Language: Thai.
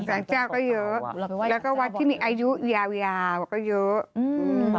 เจ้าก็เยอะแล้วก็วัดที่มีอายุยาวยาวก็เยอะอืม